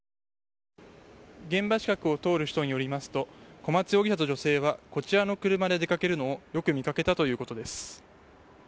現場近くを通る人によりますと小松容疑者と女性はこちらの車で出かけるのをよく見かけたということです。